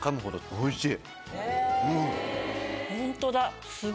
おいしい。